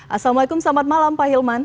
assalamualaikum selamat malam pak hilman